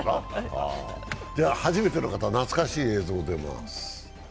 初めての方、懐かしい映像が出ます。